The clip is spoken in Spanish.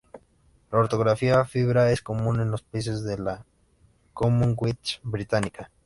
La ortografía "fibra" es común en los países de la Commonwealth británica.